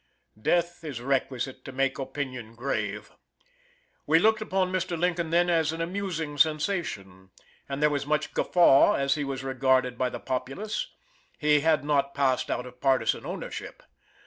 Death is requisite to make opinion grave. We looked upon Mr. Lincoln then as an amusing sensation, and there was much guffaw as he was regarded by the populace; he had not passed out of partisan ownership.